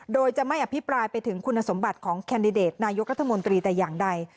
โดยจะไม่อภิปรายไปถึงคุณสมบัติของแคนดิเดตนายกรัฐมนตรีแต่อย่างใด